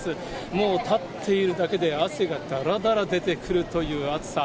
もう立っているだけで汗がだらだら出てくるという暑さ。